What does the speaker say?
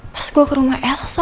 pas gue ke rumah elsa